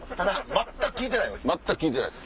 全く聞いてないです。